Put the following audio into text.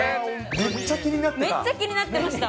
めっちゃ気になってました。